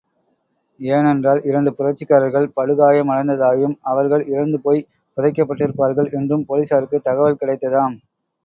ஏனென்றால் இரண்டு புரட்சிக்காரர்கள் படுகாயமடைந்ததாயும் அவர்கள், இறந்து போய்ப் புதைக்கப்பட்டிருப்பார்கள் என்றும் போலிஸாருக்குத் தகவல் கிடைத்ததாம்.